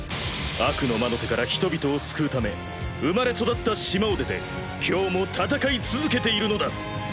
悪の魔の手から人々を救うため生まれ育った島を出て今日も戦い続けているのだ。